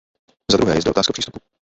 Zadruhé je zde otázka přístupu.